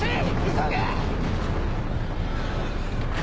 急げ！